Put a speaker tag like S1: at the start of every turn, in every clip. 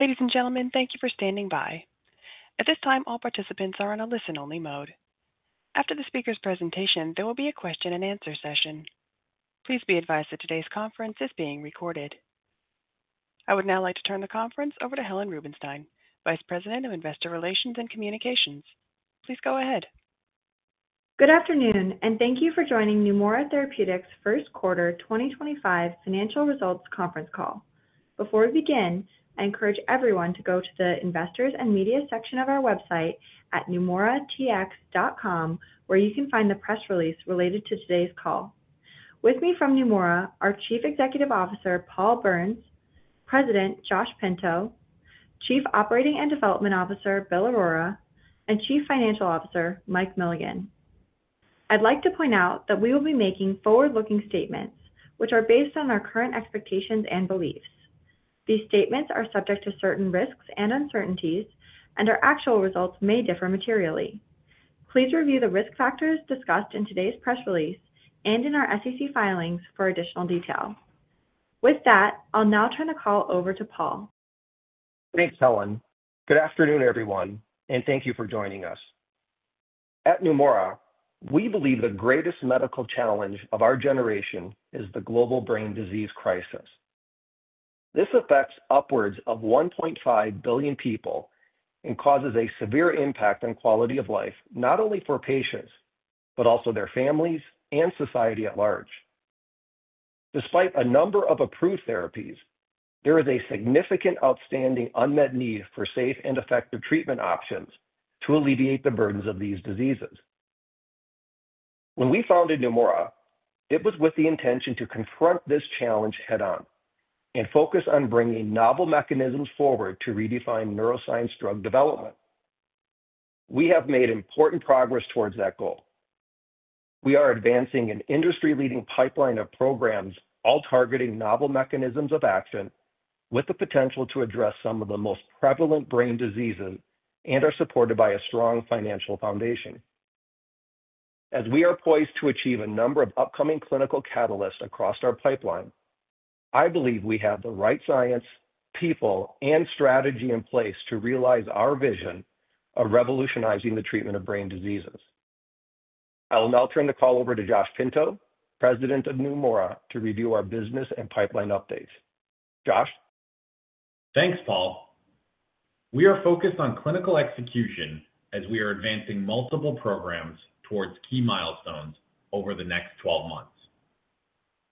S1: Ladies and gentlemen, thank you for standing by. At this time, all participants are on a listen-only mode. After the speaker's presentation, there will be a question-and-answer session. Please be advised that today's conference is being recorded. I would now like to turn the conference over to Helen Rubinstein, Vice President of Investor Relations and Communications. Please go ahead.
S2: Good afternoon, and thank you for joining Neumora Therapeutics' first quarter 2025 financial results conference call. Before we begin, I encourage everyone to go to the investors and media section of our website at neumoratx.com, where you can find the press release related to today's call. With me from Neumora are Chief Executive Officer Paul Berns, President Josh Pinto, Chief Operating and Development Officer Bill Aurora, and Chief Financial Officer Mike Milligan. I'd like to point out that we will be making forward-looking statements, which are based on our current expectations and beliefs. These statements are subject to certain risks and uncertainties, and our actual results may differ materially. Please review the risk factors discussed in today's press release and in our SEC filings for additional detail. With that, I'll now turn the call over to Paul.
S3: Thanks, Helen. Good afternoon, everyone, and thank you for joining us. At Neumora, we believe the greatest medical challenge of our generation is the global brain disease crisis. This affects upwards of 1.5 billion people and causes a severe impact on quality of life not only for patients, but also their families and society at large. Despite a number of approved therapies, there is a significant outstanding unmet need for safe and effective treatment options to alleviate the burdens of these diseases. When we founded Neumora, it was with the intention to confront this challenge head-on and focus on bringing novel mechanisms forward to redefine neuroscience drug development. We have made important progress towards that goal. We are advancing an industry-leading pipeline of programs all targeting novel mechanisms of action, with the potential to address some of the most prevalent brain diseases and are supported by a strong financial foundation. As we are poised to achieve a number of upcoming clinical catalysts across our pipeline, I believe we have the right science, people, and strategy in place to realize our vision of revolutionizing the treatment of brain diseases. I will now turn the call over to Josh Pinto, President of Neumora, to review our business and pipeline updates. Josh.
S4: Thanks, Paul. We are focused on clinical execution as we are advancing multiple programs towards key milestones over the next 12 months.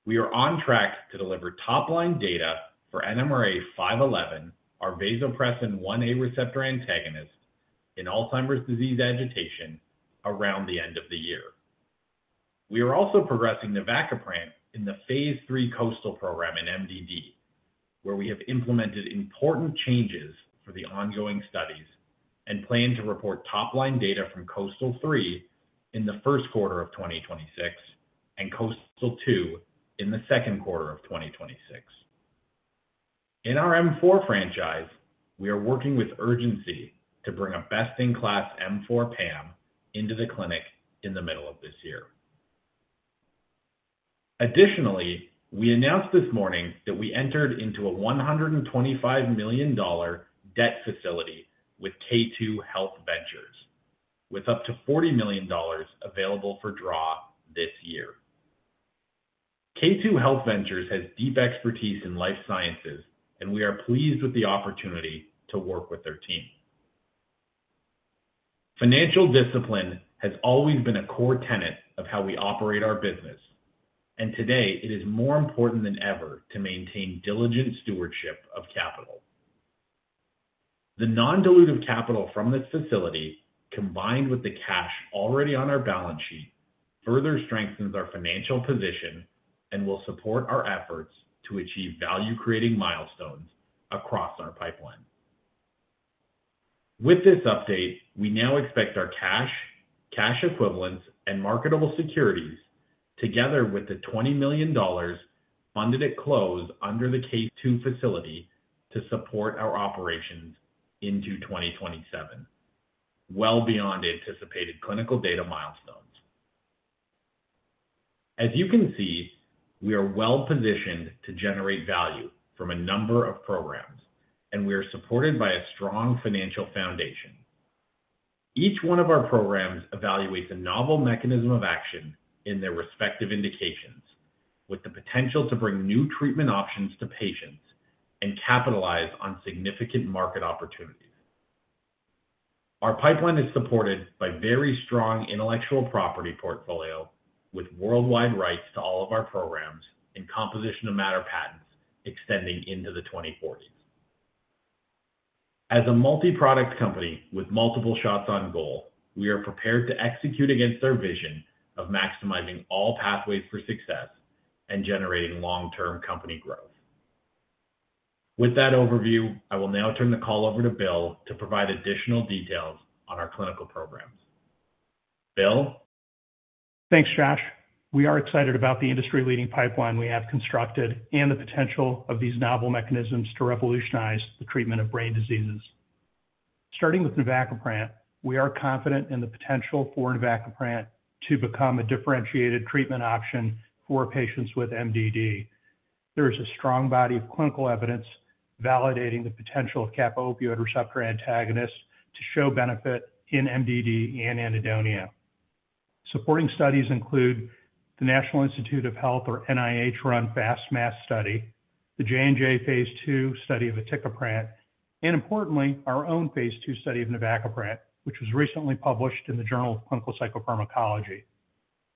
S4: We are on track to deliver top-line data for NMRA-511, our vasopressin 1a receptor antagonist in Alzheimer's disease agitation, around the end of the year. We are also progressing navacaprant in the Phase III KOASTAL program in MDD, where we have implemented important changes for the ongoing studies and plan to report top-line data from KOASTAL III in the first quarter of 2026 and KOASTAL II in the second quarter of 2026. In our M4 franchise, we are working with urgency to bring a best-in-class M4 PAM into the clinic in the middle of this year. Additionally, we announced this morning that we entered into a $125 million debt facility with K2 HealthVentures, with up to $40 million available for draw this year. K2 HealthVentures has deep expertise in life sciences, and we are pleased with the opportunity to work with their team. Financial discipline has always been a core tenet of how we operate our business, and today it is more important than ever to maintain diligent stewardship of capital. The non-dilutive capital from this facility, combined with the cash already on our balance sheet, further strengthens our financial position and will support our efforts to achieve value-creating milestones across our pipeline. With this update, we now expect our cash, cash equivalents, and marketable securities, together with the $20 million funded at close under the K2 facility, to support our operations into 2027, well beyond anticipated clinical data milestones. As you can see, we are well positioned to generate value from a number of programs, and we are supported by a strong financial foundation. Each one of our programs evaluates a novel mechanism of action in their respective indications, with the potential to bring new treatment options to patients and capitalize on significant market opportunities. Our pipeline is supported by a very strong intellectual property portfolio with worldwide rights to all of our programs and composition of matter patents extending into the 2040s. As a multi-product company with multiple shots on goal, we are prepared to execute against our vision of maximizing all pathways for success and generating long-term company growth. With that overview, I will now turn the call over to Bill to provide additional details on our clinical programs. Bill.
S5: Thanks, Josh. We are excited about the industry-leading pipeline we have constructed and the potential of these novel mechanisms to revolutionize the treatment of brain diseases. Starting with navacaprant, we are confident in the potential for navacaprant to become a differentiated treatment option for patients with MDD. There is a strong body of clinical evidence validating the potential of kappa opioid receptor antagonists to show benefit in MDD and anhedonia. Supporting studies include the National Institutes of Health, or NIH, run FAST/MAST study, the Johnson & Johnson Phase II study of aticaprant, and importantly, our own Phase II study of nevacaprant, which was recently published in the Journal of Clinical Psychopharmacology.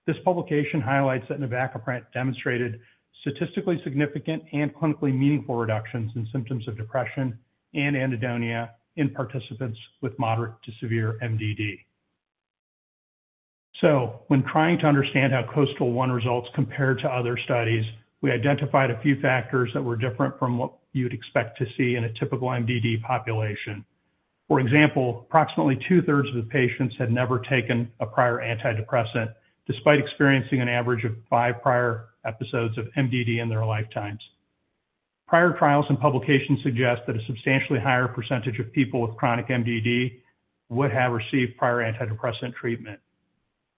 S5: This publication highlights that nevacaprant demonstrated statistically significant and clinically meaningful reductions in symptoms of depression and anhedonia in participants with moderate to severe MDD. When trying to understand how KOASTAL I results compared to other studies, we identified a few factors that were different from what you'd expect to see in a typical MDD population. For example, approximately two-thirds of the patients had never taken a prior antidepressant, despite experiencing an average of five prior episodes of MDD in their lifetimes. Prior trials and publications suggest that a substantially higher percentage of people with chronic MDD would have received prior antidepressant treatment.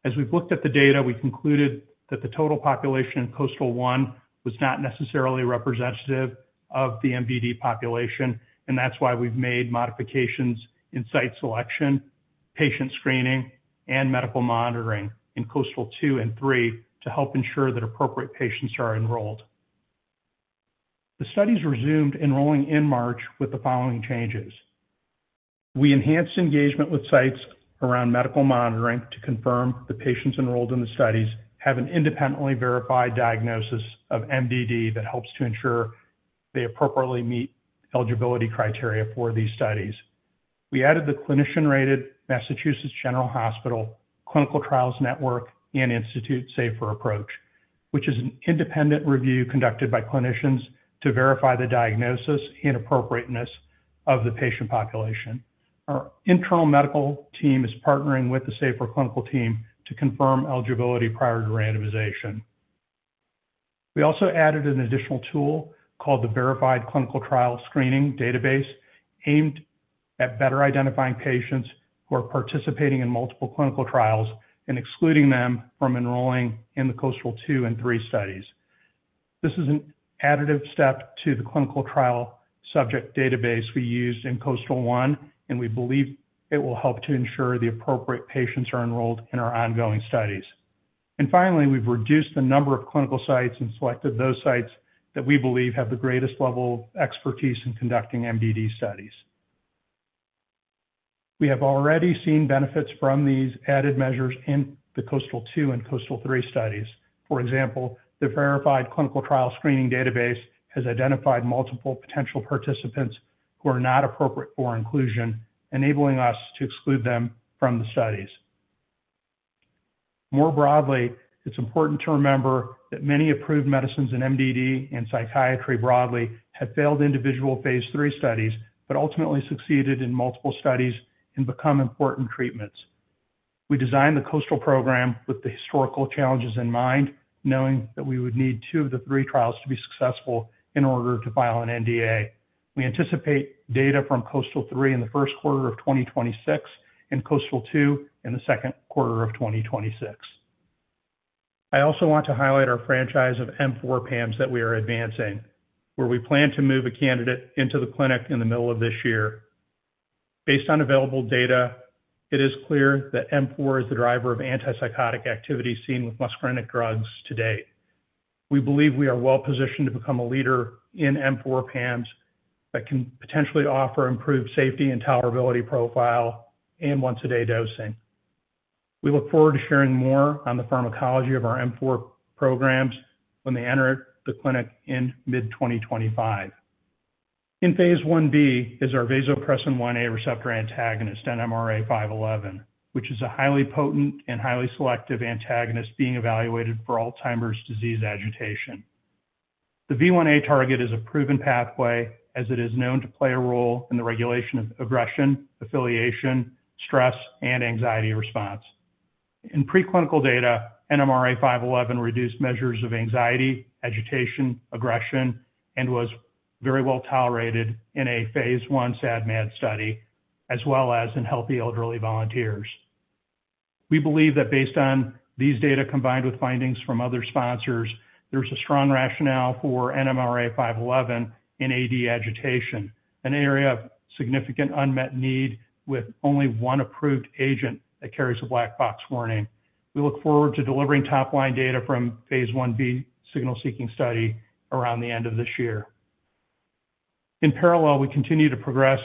S5: As we've looked at the data, we concluded that the total population in KOASTAL I was not necessarily representative of the MDD population, and that's why we've made modifications in site selection, patient screening, and medical monitoring in KOASTAL II and III to help ensure that appropriate patients are enrolled. The studies resumed enrolling in March with the following changes. We enhanced engagement with sites around medical monitoring to confirm the patients enrolled in the studies have an independently verified diagnosis of MDD that helps to ensure they appropriately meet eligibility criteria for these studies. We added the Clinician-Rated Massachusetts General Hospital Clinical Trials Network and Institute SAFER approach, which is an independent review conducted by clinicians to verify the diagnosis and appropriateness of the patient population. Our internal medical team is partnering with the SAFER clinical team to confirm eligibility prior to randomization. We also added an additional tool called the Verified Clinical Trial Screening Database, aimed at better identifying patients who are participating in multiple clinical trials and excluding them from enrolling in the KOASTAL II and III studies. This is an additive step to the clinical trial subject database we used in KOASTAL I, and we believe it will help to ensure the appropriate patients are enrolled in our ongoing studies. Finally, we've reduced the number of clinical sites and selected those sites that we believe have the greatest level of expertise in conducting MDD studies. We have already seen benefits from these added measures in the KOASTAL II and KOASTAL III studies. For example, the Verified Clinical Trial Screening Database has identified multiple potential participants who are not appropriate for inclusion, enabling us to exclude them from the studies. More broadly, it's important to remember that many approved medicines in MDD and psychiatry broadly have failed individual Phase III studies, but ultimately succeeded in multiple studies and become important treatments. We designed the KOASTAL program with the historical challenges in mind, knowing that we would need two of the three trials to be successful in order to file an NDA. We anticipate data from KOASTAL III in the first quarter of 2026 and KOASTAL II in the second quarter of 2026. I also want to highlight our franchise of M4 PAMs that we are advancing, where we plan to move a candidate into the clinic in the middle of this year. Based on available data, it is clear that M4 is the driver of antipsychotic activity seen with muscarinic drugs to date. We believe we are well positioned to become a leader in M4 PAMs that can potentially offer improved safety and tolerability profile and once-a-day dosing. We look forward to sharing more on the pharmacology of our M4 programs when they enter the clinic in mid-2025. In Phase Ib is our vasopressin 1a receptor antagonist, NMRA-511, which is a highly potent and highly selective antagonist being evaluated for Alzheimer's disease agitation. The V1A target is a proven pathway, as it is known to play a role in the regulation of aggression, affiliation, stress, and anxiety response. In preclinical data, NMRA-511 reduced measures of anxiety, agitation, aggression, and was very well tolerated in a Phase I SAD/MAD study, as well as in healthy elderly volunteers. We believe that based on these data combined with findings from other sponsors, there's a strong rationale for NMRA-511 in AD agitation, an area of significant unmet need with only one approved agent that carries a black box warning. We look forward to delivering top-line data from Phase Ib signal-seeking study around the end of this year. In parallel, we continue to progress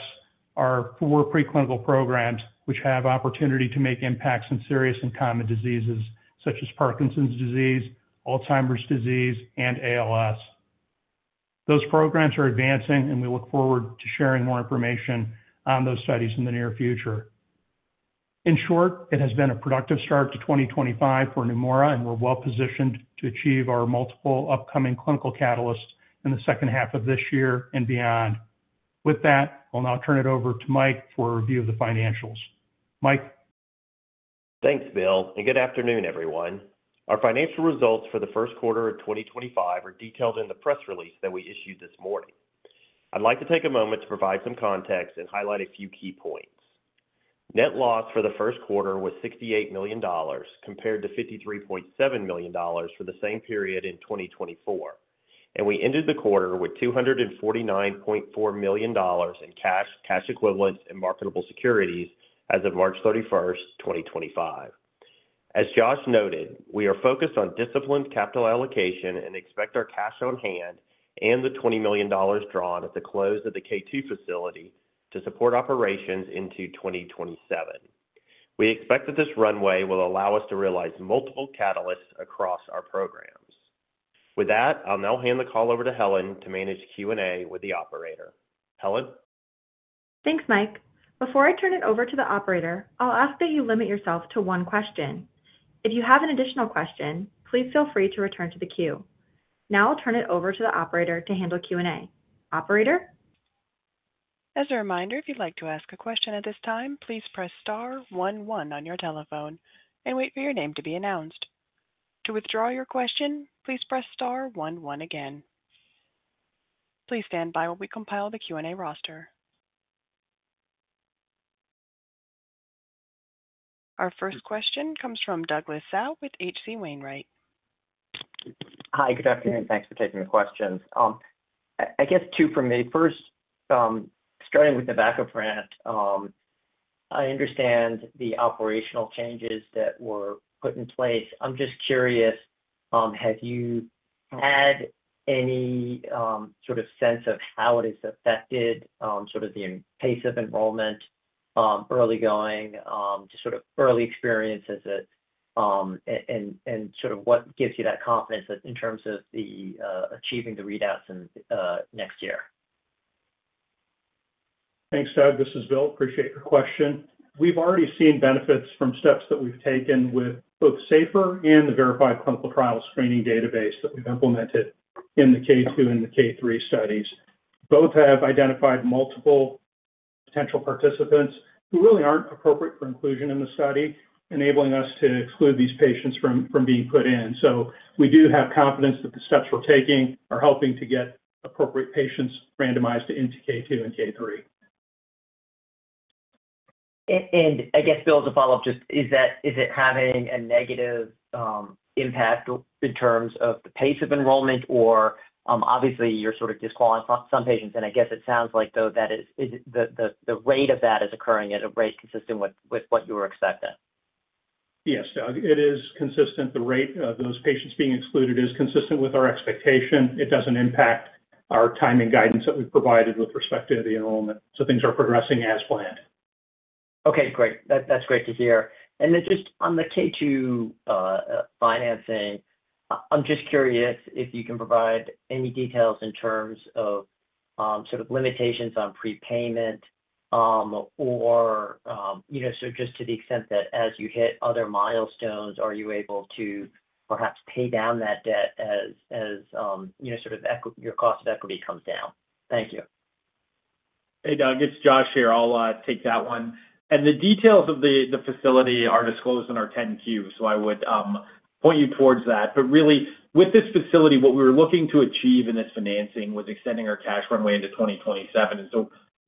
S5: our four preclinical programs, which have opportunity to make impacts in serious and common diseases such as Parkinson's disease, Alzheimer's disease, and ALS. Those programs are advancing, and we look forward to sharing more information on those studies in the near future. In short, it has been a productive start to 2025 for Neumora, and we're well positioned to achieve our multiple upcoming clinical catalysts in the second half of this year and beyond. With that, I'll now turn it over to Mike for a review of the financials. Mike.
S6: Thanks, Bill, and good afternoon, everyone. Our financial results for the first quarter of 2025 are detailed in the press release that we issued this morning. I'd like to take a moment to provide some context and highlight a few key points. Net loss for the first quarter was $68 million, compared to $53.7 million for the same period in 2024, and we ended the quarter with $249.4 million in cash, cash equivalents, and marketable securities as of March 31, 2025. As Josh noted, we are focused on disciplined capital allocation and expect our cash on hand and the $20 million drawn at the close of the K2 facility to support operations into 2027. We expect that this runway will allow us to realize multiple catalysts across our programs. With that, I'll now hand the call over to Helen to manage Q&A with the operator. Helen.
S2: Thanks, Mike. Before I turn it over to the operator, I'll ask that you limit yourself to one question. If you have an additional question, please feel free to return to the queue. Now I'll turn it over to the operator to handle Q&A. Operator.
S1: As a reminder, if you'd like to ask a question at this time, please press star 11 on your telephone and wait for your name to be announced. To withdraw your question, please press star 11 again. Please stand by while we compile the Q&A roster. Our first question comes from Douglas Tsao with H.C. Wainwright.
S7: Hi, good afternoon. Thanks for taking the questions. I guess two for me. First, starting with nevacaprant, I understand the operational changes that were put in place. I'm just curious, have you had any sort of sense of how it has affected sort of the pace of enrollment, early going, just sort of early experiences and sort of what gives you that confidence in terms of achieving the readouts next year?
S5: Thanks, Doug. This is Bill. Appreciate your question. We've already seen benefits from steps that we've taken with both SAFER and the Verified Clinical Trial Screening Database that we've implemented in the K2 and the K3 studies. Both have identified multiple potential participants who really aren't appropriate for inclusion in the study, enabling us to exclude these patients from being put in. We do have confidence that the steps we're taking are helping to get appropriate patients randomized into K2 and K3.
S7: I guess, Bill, as a follow-up, just is it having a negative impact in terms of the pace of enrollment or obviously you're sort of disqualifying some patients? I guess it sounds like, though, that the rate of that is occurring at a rate consistent with what you were expecting.
S5: Yes, Doug. It is consistent. The rate of those patients being excluded is consistent with our expectation. It does not impact our timing guidance that we have provided with respect to the enrollment. Things are progressing as planned.
S7: Okay, great. That's great to hear. Just on the K2 financing, I'm just curious if you can provide any details in terms of sort of limitations on prepayment or so just to the extent that as you hit other milestones, are you able to perhaps pay down that debt as sort of your cost of equity comes down? Thank you.
S4: Hey, Doug. It's Josh here. I'll take that one. The details of the facility are disclosed in our 10Q, so I would point you towards that. Really, with this facility, what we were looking to achieve in this financing was extending our cash runway into 2027.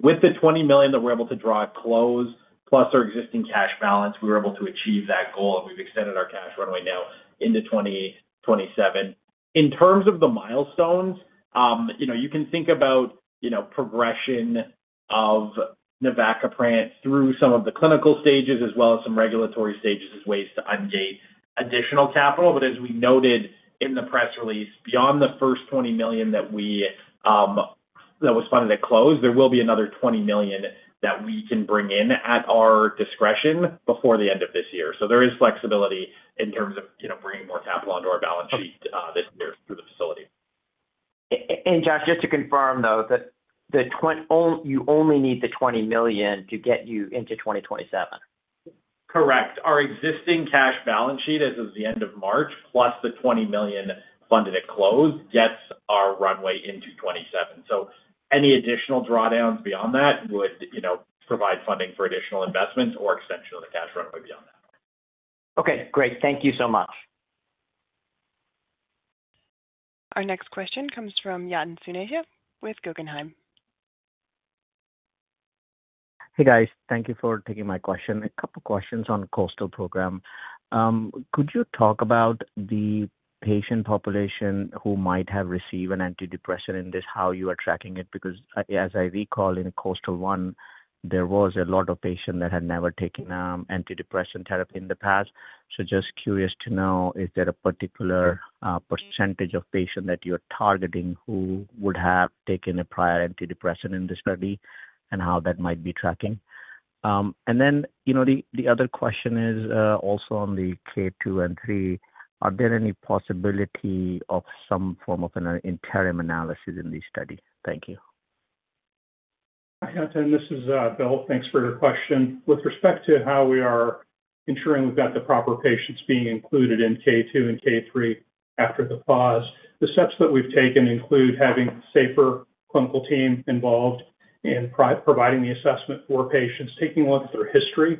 S4: With the $20 million that we're able to draw at close, plus our existing cash balance, we were able to achieve that goal, and we've extended our cash runway now into 2027. In terms of the milestones, you can think about progression of nevacaprant through some of the clinical stages as well as some regulatory stages as ways to ungate additional capital. As we noted in the press release, beyond the first $20 million that was funded at close, there will be another $20 million that we can bring in at our discretion before the end of this year. There is flexibility in terms of bringing more capital onto our balance sheet this year through the facility.
S7: Josh, just to confirm, though, that you only need the $20 million to get you into 2027?
S4: Correct. Our existing cash balance sheet as of the end of March, plus the $20 million funded at close, gets our runway into 2027. Any additional drawdowns beyond that would provide funding for additional investments or extension of the cash runway beyond that.
S7: Okay, great. Thank you so much.
S1: Our next question comes from Yatin Suneja with Guggenheim.
S8: Hey, guys. Thank you for taking my question. A couple of questions on the KOASTAL program. Could you talk about the patient population who might have received an antidepressant and how you are tracking it? Because as I recall, in KOASTAL I, there was a lot of patients that had never taken antidepressant therapy in the past. Just curious to know, is there a particular percentage of patients that you are targeting who would have taken a prior antidepressant in this study and how that might be tracking? The other question is also on the K2 and 3, are there any possibility of some form of an interim analysis in this study? Thank you.
S5: Hi, Anthon. This is Bill. Thanks for your question. With respect to how we are ensuring we've got the proper patients being included in K2 and K3 after the pause, the steps that we've taken include having a SAFER clinical team involved in providing the assessment for patients, taking a look at their history,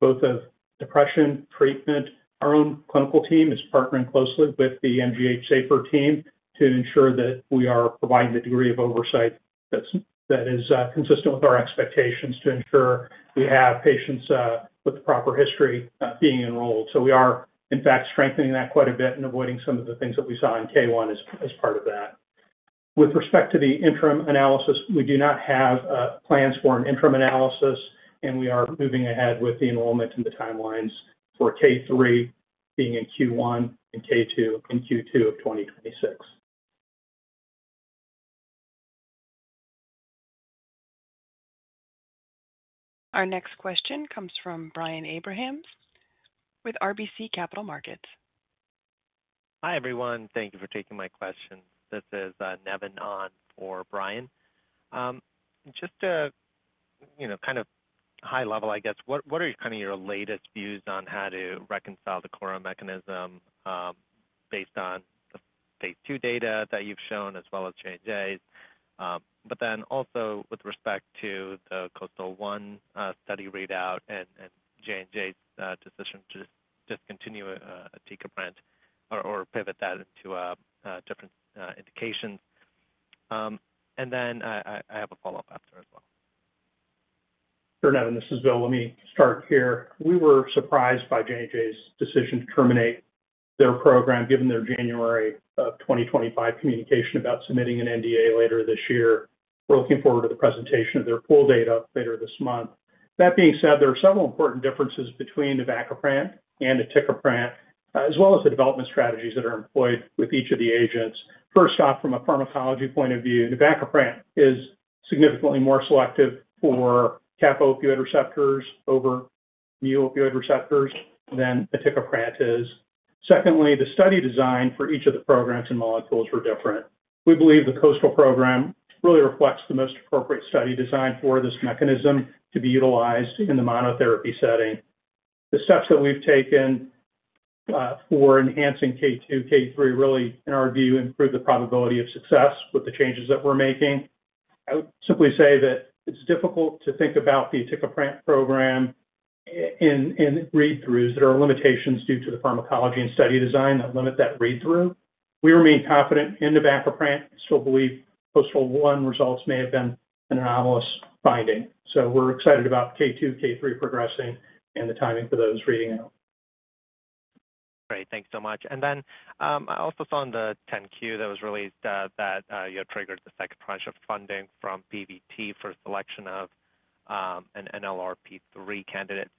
S5: both of depression treatment. Our own clinical team is partnering closely with the MGH SAFER team to ensure that we are providing the degree of oversight that is consistent with our expectations to ensure we have patients with the proper history being enrolled. We are, in fact, strengthening that quite a bit and avoiding some of the things that we saw in K1 as part of that. With respect to the interim analysis, we do not have plans for an interim analysis, and we are moving ahead with the enrollment and the timelines for K3 being in Q1 and K2 in Q2 of 2026.
S1: Our next question comes from Brian Abrahams with RBC Capital Markets.
S9: Hi, everyone. Thank you for taking my question. This is Nevin On for Brian. Just to kind of high level, I guess, what are kind of your latest views on how to reconcile the CORA mechanism based on the Phase II data that you've shown as well as J&J's? Also, with respect to the KOASTAL I study readout and J&J's decision to discontinue aticaprant or pivot that into different indications. I have a follow-up after as well.
S5: Sure, Nevin. This is Bill. Let me start here. We were surprised by J&J's decision to terminate their program given their January of 2025 communication about submitting an NDA later this year. We're looking forward to the presentation of their pooled data later this month. That being said, there are several important differences between nevacaprant and aticaprant, as well as the development strategies that are employed with each of the agents. First off, from a pharmacology point of view, nevacaprant is significantly more selective for kappa opioid receptors over mu opioid receptors than aticaprant is. Secondly, the study design for each of the programs and molecules were different. We believe the KOASTAL program really reflects the most appropriate study design for this mechanism to be utilized in the monotherapy setting. The steps that we've taken for enhancing K2, K3 really, in our view, improve the probability of success with the changes that we're making. I would simply say that it's difficult to think about the aticaprant program in read-throughs. There are limitations due to the pharmacology and study design that limit that read-through. We remain confident in nevacaprant. I still believe KOASTAL I results may have been an anomalous finding. We are excited about K2, K3 progressing and the timing for those reading out.
S9: Great. Thanks so much. I also saw in the 10Q that was released that you had triggered the second tranche of funding from PBT for selection of an NLRP3 candidate.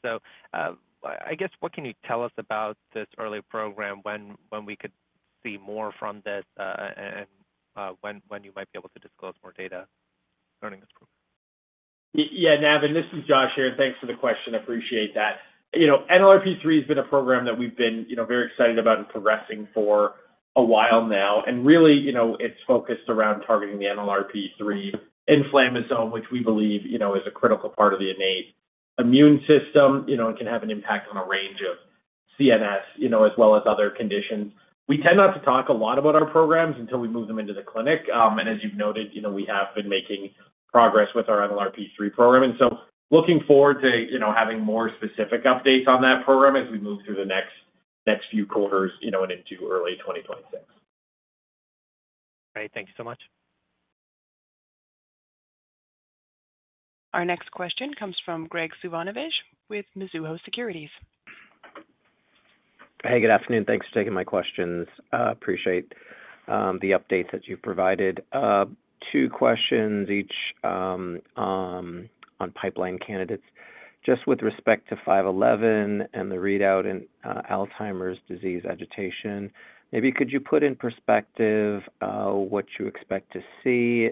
S9: I guess, what can you tell us about this early program? When we could see more from this and when you might be able to disclose more data regarding this program?
S4: Yeah, Nevin, this is Josh here. Thanks for the question. I appreciate that. NLRP3 has been a program that we've been very excited about and progressing for a while now. It is really focused around targeting the NLRP3 inflammasome, which we believe is a critical part of the innate immune system and can have an impact on a range of CNS as well as other conditions. We tend not to talk a lot about our programs until we move them into the clinic. As you've noted, we have been making progress with our NLRP3 program. I am looking forward to having more specific updates on that program as we move through the next few quarters and into early 2026.
S9: Great. Thank you so much.
S1: Our next question comes from Greg Sivanovich with Mizuho Securities.
S10: Hey, good afternoon. Thanks for taking my questions. Appreciate the updates that you've provided. Two questions, each on pipeline candidates. Just with respect to 511 and the readout in Alzheimer's disease agitation, maybe could you put in perspective what you expect to see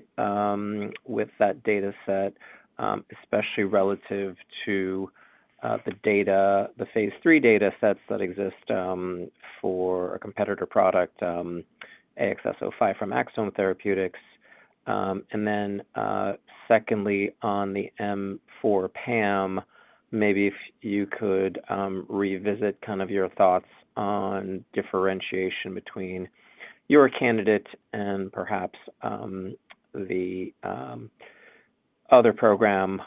S10: with that data set, especially relative to the data, the Phase III data sets that exist for a competitor product, AXS-05 from Axsome Therapeutics? Secondly, on the M4 PAM, maybe if you could revisit kind of your thoughts on differentiation between your candidate and perhaps the other program,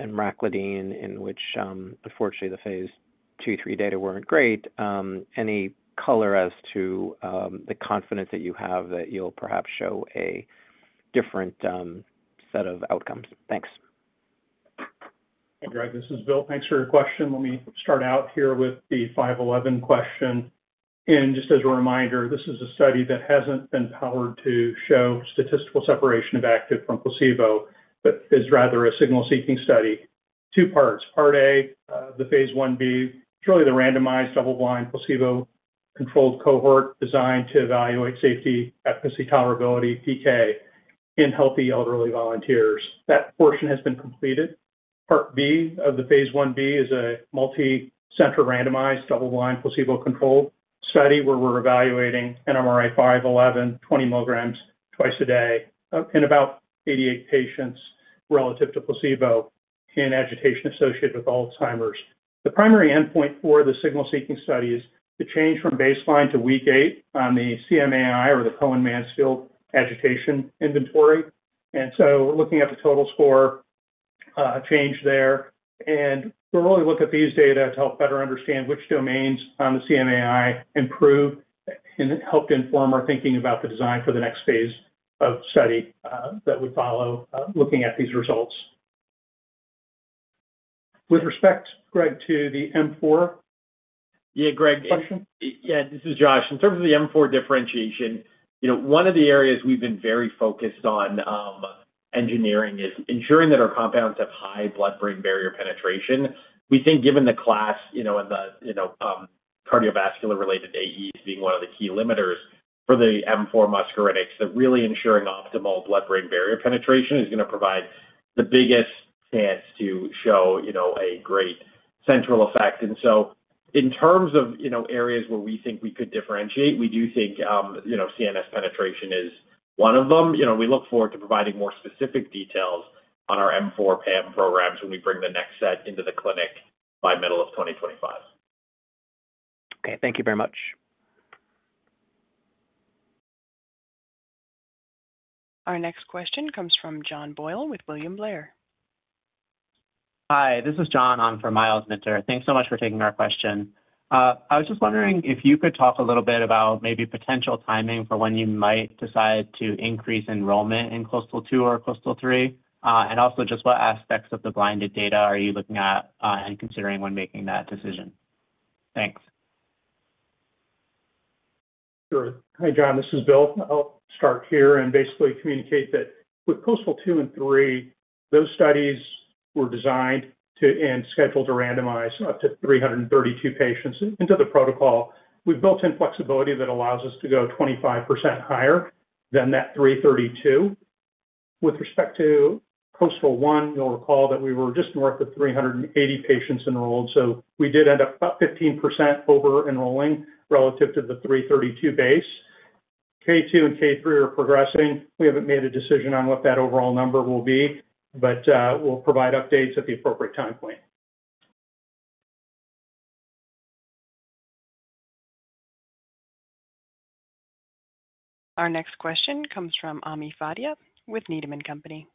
S10: Enracladine, in which, unfortunately, the Phase II, III data were not great. Any color as to the confidence that you have that you'll perhaps show a different set of outcomes? Thanks.
S5: Hey, Greg. This is Bill. Thanks for your question. Let me start out here with the 511 question. Just as a reminder, this is a study that has not been powered to show statistical separation of active from placebo, but is rather a signal-seeking study. Two parts. Part A, the Phase Ib, surely the randomized, double-blind, placebo-controlled cohort designed to evaluate safety, efficacy, tolerability, PK in healthy elderly volunteers. That portion has been completed. Part B of the Phase Ib is a multi-center randomized, double-blind, placebo-controlled study where we are evaluating NMRA-511, 20 milligrams twice a day in about 88 patients relative to placebo in agitation associated with Alzheimer's. The primary endpoint for the signal-seeking study is the change from baseline to week eight on the CMAI or the Cohen-Mansfield Agitation Inventory. We are looking at the total score change there. We will really look at these data to help better understand which domains on the CMAI improved and helped inform our thinking about the design for the next Phase of study that would follow looking at these results. With respect, Greg, to the M4.
S4: Yeah, Greg.
S5: Question?
S4: Yeah, this is Josh. In terms of the M4 differentiation, one of the areas we've been very focused on engineering is ensuring that our compounds have high blood-brain barrier penetration. We think given the class and the cardiovascular-related AEs being one of the key limiters for the M4 muscarinics, that really ensuring optimal blood-brain barrier penetration is going to provide the biggest chance to show a great central effect. In terms of areas where we think we could differentiate, we do think CNS penetration is one of them. We look forward to providing more specific details on our M4 PAM programs when we bring the next set into the clinic by middle of 2025.
S10: Okay. Thank you very much.
S5: Our next question comes from John Boyle with William Blair.
S11: Hi, this is John. I'm from Myles Minter. Thanks so much for taking our question. I was just wondering if you could talk a little bit about maybe potential timing for when you might decide to increase enrollment in KOASTAL II or KOASTAL III, and also just what aspects of the blinded data are you looking at and considering when making that decision? Thanks.
S5: Sure. Hi, John. This is Bill. I'll start here and basically communicate that with KOASTAL II and III, those studies were designed and scheduled to randomize up to 332 patients into the protocol. We've built in flexibility that allows us to go 25% higher than that 332. With respect to KOASTAL I, you'll recall that we were just north of 380 patients enrolled. So we did end up about 15% over-enrolling relative to the 332 base. K2 and K3 are progressing. We haven't made a decision on what that overall number will be, but we'll provide updates at the appropriate time point.
S1: Our next question comes from Ami Fadia with Needham & Company.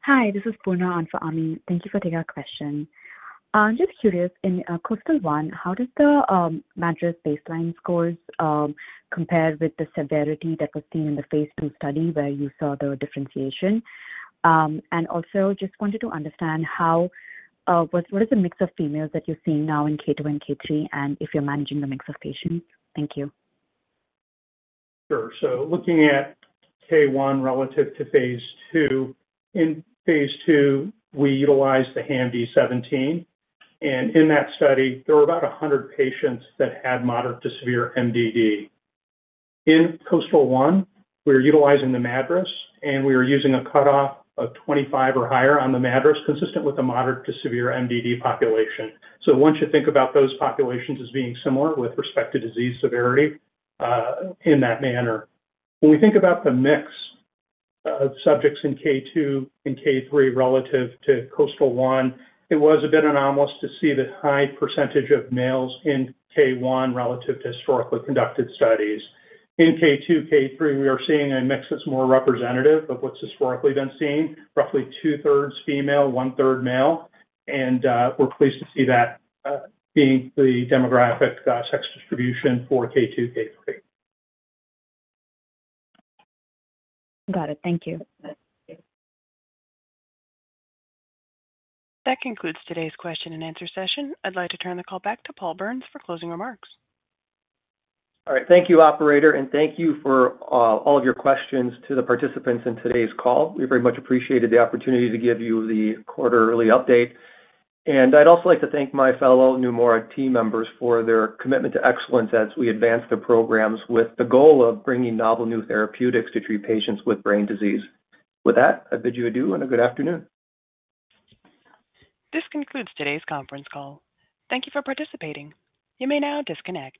S12: Hi, this is Purna, Ami for Ami. Thank you for taking our question. I'm just curious, in KOASTAL I, how does the MADRS baseline scores compare with the severity that was seen in the Phase II study where you saw the differentiation? Also, just wanted to understand how, what is the mix of females that you're seeing now in K2 and K3, and if you're managing the mix of patients? Thank you.
S5: Sure. Looking at K1 relative to Phase II, in Phase II, we utilized the HAMD-17. In that study, there were about 100 patients that had moderate to severe MDD. In KOASTAL I, we were utilizing the MADRS, and we were using a cutoff of 25 or higher on the MADRS, consistent with a moderate to severe MDD population. Once you think about those populations as being similar with respect to disease severity in that manner. When we think about the mix of subjects in K2 and K3 relative to KOASTAL I, it was a bit anomalous to see the high percentage of males in K1 relative to historically conducted studies. In K2, K3, we are seeing a mix that's more representative of what's historically been seen, roughly two-thirds female, one-third male. We are pleased to see that being the demographic sex distribution for K2, K3.
S12: Got it. Thank you.
S1: That concludes today's question and answer session. I'd like to turn the call back to Paul Berns for closing remarks.
S3: All right. Thank you, operator, and thank you for all of your questions to the participants in today's call. We very much appreciated the opportunity to give you the quarterly update. I would also like to thank my fellow Neumora team members for their commitment to excellence as we advance their programs with the goal of bringing novel new therapeutics to treat patients with brain disease. With that, I bid you adieu and a good afternoon.
S1: This concludes today's conference call. Thank you for participating. You may now disconnect.